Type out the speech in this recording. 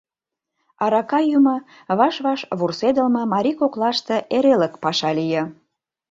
Арака йӱмӧ, ваш-ваш вурседылме марий коклаште эрелык паша лие.